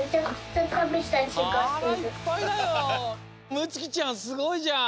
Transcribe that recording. むつきちゃんすごいじゃん。